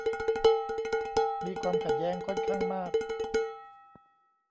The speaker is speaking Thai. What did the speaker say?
มีความขัดแย้งค่อนข้างมาก